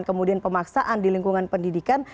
kemudian pemaksaan di lingkungan pendidikan